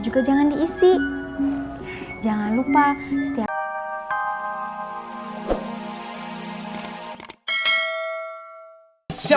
kalau tidak sholat